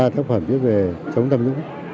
ba tác phẩm viết về chống tâm nhũng